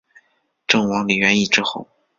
郑王李元懿之后。